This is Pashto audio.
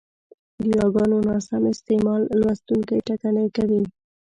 د یاګانو ناسم استعمال لوستوونکی ټکنی کوي،